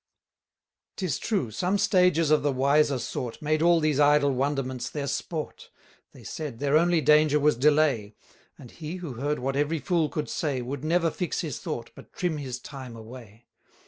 'Tis true, some stagers of the wiser sort Made all these idle wonderments their sport: They said, their only danger was delay, And he, who heard what every fool could say, 500 Would never fix his thought, but trim his time away.